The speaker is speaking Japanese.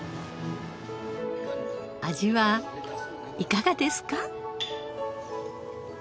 味はいかがですか？